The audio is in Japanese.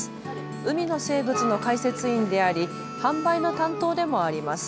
海の生物の解説員であり販売の担当でもあります。